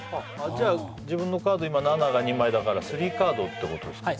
自分のカード今７が２枚だからスリーカードってことですか